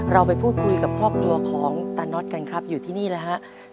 เราไปพูดคุยกับครอบครัวของตาน็อตกันครับอยู่ที่นี่เลยครับ